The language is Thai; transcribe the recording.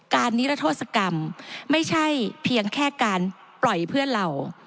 นิรโทษกรรมไม่ใช่เพียงแค่การปล่อยเพื่อนเรา